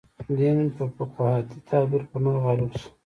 دین فقاهتي تعبیر پر نورو غالب شو.